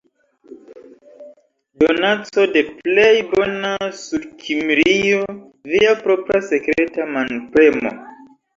Donaco de plej bona Sudkimrio - via propra sekreta manpremo!